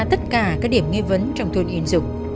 tất cả các điểm nghi vấn trong thuyền in dụng